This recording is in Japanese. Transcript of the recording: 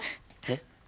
えっ。